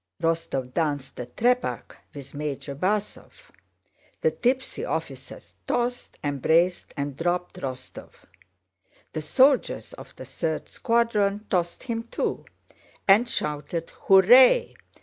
Rostóv danced the Trepák with Major Básov; the tipsy officers tossed, embraced, and dropped Rostóv; the soldiers of the third squadron tossed him too, and shouted "hurrah!"